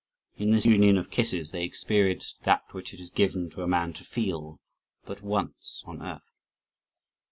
In this union of kisses they experienced that which it is given to a man to feel but once on earth.